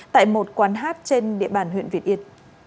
tại một quán hát trên địa bàn huyện việt yên